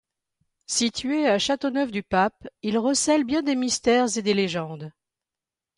Situé à Châteauneuf-du-Pape, il recèle bien des mystères et des légendes.